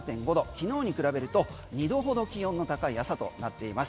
昨日に比べると２度ほど気温の高い朝となっています。